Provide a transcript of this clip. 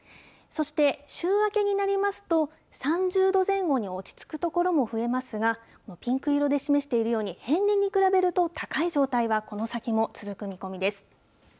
そして週明けになりますと、３０度前後に落ち着く所も増えますが、このピンク色で示しているように、平年に比べると高い状態はこの先も続く見込みです。